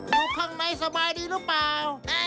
อยู่ข้างในสบายดีหรือเปล่า